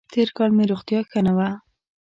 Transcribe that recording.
تېر کال مې روغتیا ښه نه وه